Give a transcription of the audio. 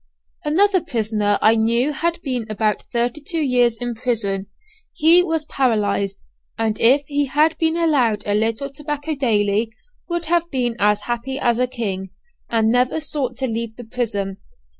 Another prisoner I knew had been about thirty two years in prison he was paralyzed, and if he had been allowed a little tobacco daily, would have been as happy as a king, and never sought to leave the prison.